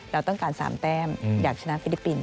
เราต้องการ๓แต้มอยากชนะฟิลิปปินส